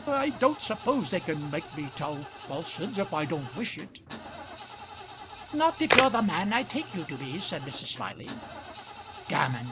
"I don't suppose they can make me tell falsehoods if I don't wish it." "Not if you're the man I take you to be," said Mrs. Smiley. "Gammon!"